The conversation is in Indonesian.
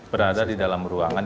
berada di dalam ruangan